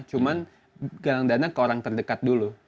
cuma galang dana ke orang terdekat dulu